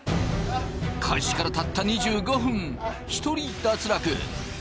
開始からたった２５分１人脱落。